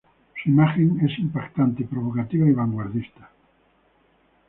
Su imagen es impactante, provocativa y vanguardista.